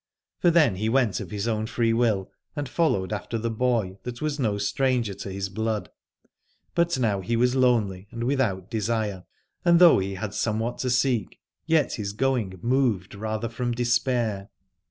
For then he went of his own will and followed after the boy, that was no stranger to his blood : but now he was lonely and without desire, and though he had somewhat to seek, yet his going moved rather from despair.